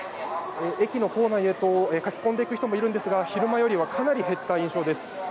駅の構内へ駆け込んでいく人もいますが昼間よりはかなり減った印象です。